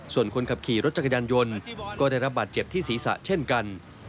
ส่วนคนขับขี่รถจักรยานยนต์ก็ได้รับบาดเจ็บที่ศีรษะเช่นกัน